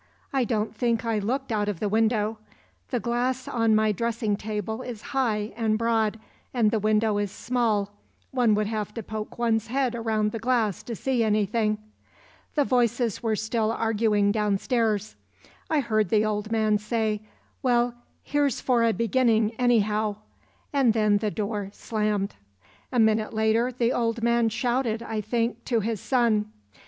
I don't think I looked out of the window. The glass on my dressing table is high and broad, and the window is small; one would have to poke one's head round the glass to see anything. "The voices were still arguing downstairs. I heard the old man say, 'Well, here's for a beginning anyhow,' and then the door slammed. "A minute later the old man shouted, I think, to his son.